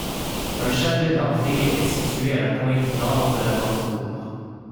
Un châtelet d'entrée était situé à la pointe Nord de la basse-cour.